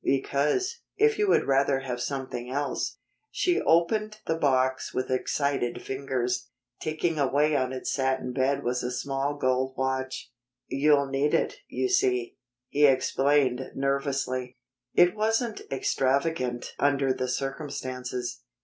Because, if you would rather have something else " She opened the box with excited fingers. Ticking away on its satin bed was a small gold watch. "You'll need it, you see," he explained nervously, "It wasn't extravagant under the circumstances.